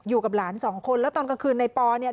อยู่กับหลานสองคนแล้วตอนกลางคืนในปอเนี่ย